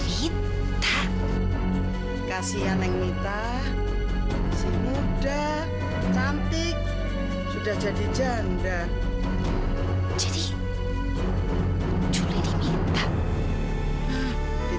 hitam kasihan yang minta muda cantik sudah jadi janda jadi